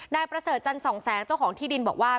นายประเสริฐจันสองแสงเจ้าของที่ดินบอกว่า